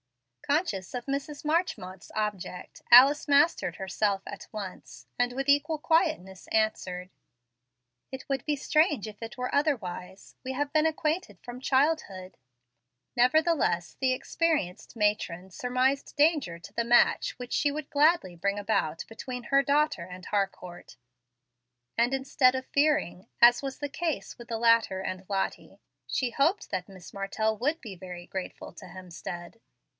Conscious of Mrs. Marchmont's object, Alice mastered herself at once, and with equal quietness answered: "It would be strange if it were otherwise. We have been acquainted from childhood." Nevertheless, the experienced matron surmised danger to the match which she would gladly bring about between her daughter and Harcourt; and instead of fearing, as was the case with the latter and Lottie, she hoped that Miss Martell would be very grateful to Hemstead.